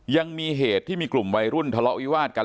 ยังมีเหตุที่มีกลุ่มวัยรุ่นทะเลาะวิวาดกัน